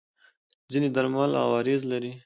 ځینې درمل عوارض لري.